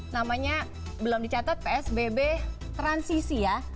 namanya belum dicatat psbb transisi ya